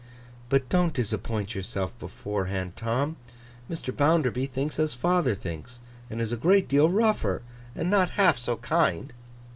'But don't disappoint yourself beforehand, Tom. Mr. Bounderby thinks as father thinks, and is a great deal rougher, and not half so kind.